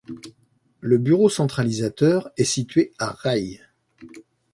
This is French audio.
Le bureau centralisateur est situé à Rai.